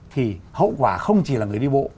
thì hậu quả không chỉ là người đi bộ